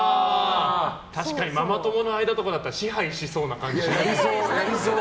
確かにママ友の間だったら支配しそうな感じ。